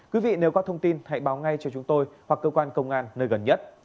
quý vị nếu có thông tin hãy báo ngay cho chúng tôi hoặc cơ quan công an nơi gần nhất